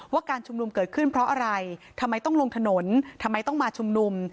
การชุมนุมเกิดขึ้นเพราะอะไรทำไมต้องลงถนนทำไมต้องมาชุมนุม